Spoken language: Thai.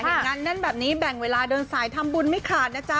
งานแน่นแบบนี้แบ่งเวลาเดินสายทำบุญไม่ขาดนะจ๊